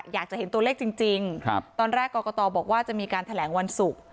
อยากจะเห็นตัวเลขจริงตอนแรกกรกตบอกว่าจะมีการแถลงวันศุกร์